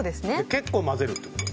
結構まぜるってこと？